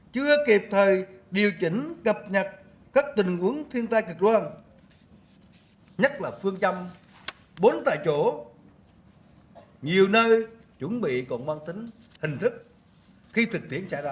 chưa kịp thời điều chỉnh cập nhật các tình huống thiên tai cực đoan nhất là phương châm bốn tại chỗ nhiều nơi chuẩn bị còn mang tính hình thức